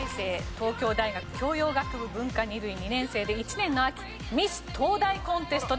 東京大学教養学部文科二類２年生で１年の秋ミス東大コンテストでグランプリ。